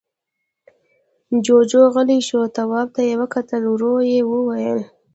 جُوجُو غلی شو، تواب ته يې وکتل، ورو يې وويل: